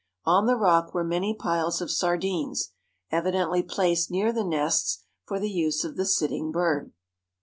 On the rock were many piles of sardines, evidently placed near the nests for the use of the sitting bird.